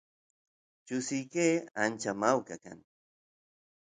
chusiyke ancha mawka kan